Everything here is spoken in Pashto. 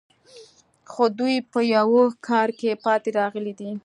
خو دوی په یوه کار کې پاتې راغلي دي